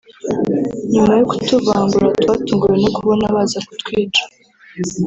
nyuma yo kutuvangura twatunguwe no kubona baza kutwica